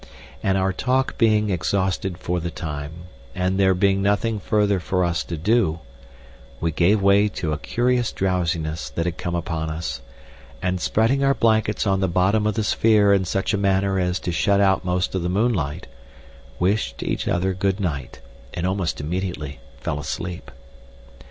And our talk being exhausted for the time, and there being nothing further for us to do, we gave way to a curious drowsiness that had come upon us, and spreading our blankets on the bottom of the sphere in such a manner as to shut out most of the moonlight, wished each other good night, and almost immediately fell asleep.